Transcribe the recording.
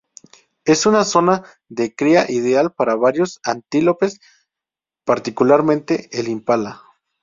Es una zona de cría ideal para varios antílopes -particularmente el impala.